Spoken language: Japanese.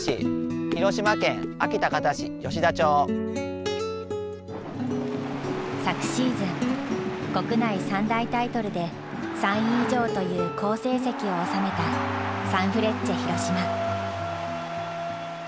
広島県安芸高田市吉田町。昨シーズン国内３大タイトルで３位以上という好成績を収めたサンフレッチェ広島。